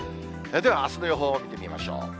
では、あすの予報を見てみましょう。